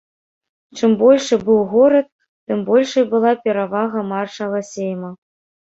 Чым большы быў горад, тым большай была перавага маршала сейма.